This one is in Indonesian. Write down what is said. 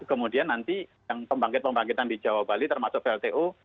kemudian nanti yang pembangkit pembangkitan di jawa bali termasuk pltu